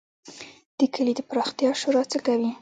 د کلي د پراختیا شورا څه کوي؟